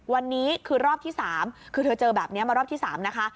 วันนี้คือรอบที่๓คือเธอเจอแบบนี้มารอบที่๓นะคะ